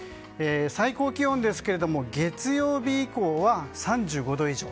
最高気温ですが月曜日以降は３５度以上。